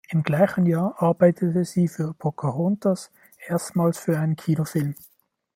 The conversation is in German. Im gleichen Jahr arbeitete sie für "Pocahontas" erstmals für einen Kinofilm.